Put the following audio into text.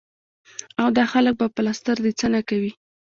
او دا خلک به پلستر د څۀ نه کوي ـ